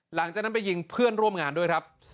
หลังจากนั้นไปยิงเพื่อนร่วมงานด้วยครับ